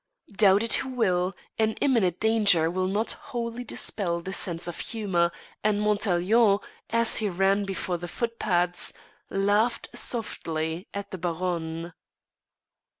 Doubt it who will, an imminent danger will not wholly dispel the sense of humour, and Montàiglon, as he ran before the footpads, laughed softly at the Baronne.